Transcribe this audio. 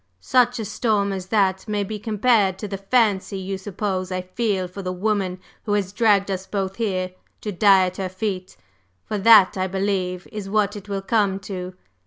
Such a storm as that may be compared to the 'fancy' you suppose I feel for the woman who has dragged us both here to die at her feet for that, I believe, is what it will come to.